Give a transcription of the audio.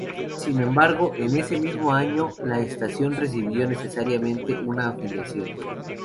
Sin embargo, en ese mismo año, la estación recibió necesariamente una afiliación.